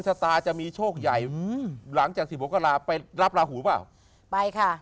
สตาร์จะมีโชคใหญ่หลังจาก๑๖กราคมไปรับลาหูหรือเปล่า